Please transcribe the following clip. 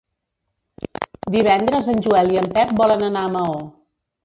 Divendres en Joel i en Pep volen anar a Maó.